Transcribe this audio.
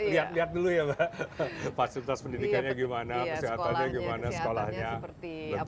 lihat lihat dulu ya pak fasilitas pendidikannya gimana kesehatannya gimana sekolahnya